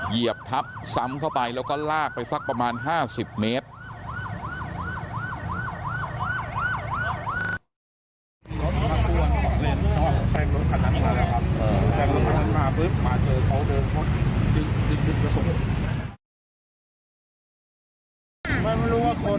เหยียบทับซ้ำเข้าไปแล้วก็ลากไปสักประมาณ๕๐เมตร